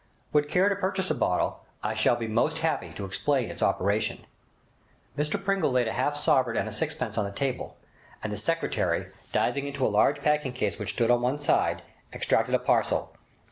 —would care to purchase a bottle, I shall be most happy to explain its operation.' Mr Pringle laid a half sovereign and a sixpence on the table, and the secretary, diving into a large packing case which stood on one side, extracted a parcel.